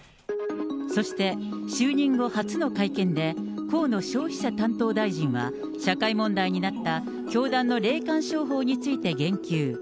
そして、就任後初の会見で、河野消費者担当大臣は、社会問題になった教団の霊感商法について言及。